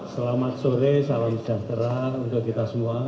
selamat sore salam sejahtera untuk kita semua